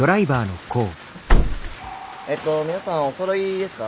えっと皆さんおそろいですか？